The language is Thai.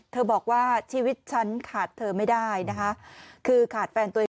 บอกว่าชีวิตฉันขาดเธอไม่ได้นะคะคือขาดแฟนตัวเอง